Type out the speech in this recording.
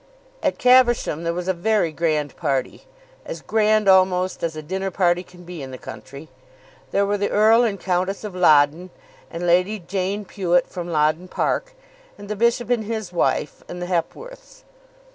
At Caversham there was a very grand party, as grand almost as a dinner party can be in the country. There were the Earl and Countess of Loddon and Lady Jane Pewet from Loddon Park, and the bishop and his wife, and the Hepworths.